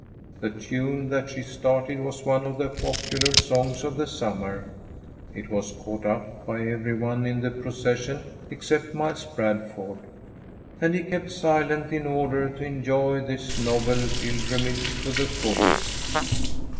The tune that she started was one of the popular songs of the summer. It was caught up by every one in the procession except Miles Bradford, and he kept silent in order to enjoy this novel pilgrimage to the fullest.